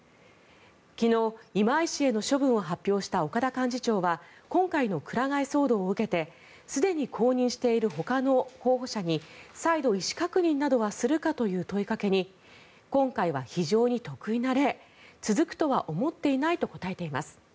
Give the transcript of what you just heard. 昨日、今井氏への処分を発表した岡田幹事長は今回のくら替え騒動を受けてすでに公認しているほかの候補者に再度、意思確認などはするかという問いかけに今回は非常に特異な例続くとは思っていないと答えています。